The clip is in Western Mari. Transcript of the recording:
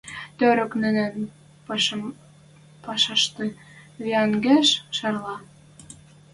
Тӧрӧк нӹнӹн пӓшӓштӹ виӓнгеш, шӓрлӓ...